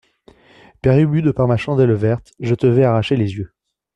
Père Ubu De par ma chandelle verte, je te vais arracher les yeux.